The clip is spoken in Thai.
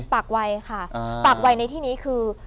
วัยค่ะปากวัยในที่นี้คือ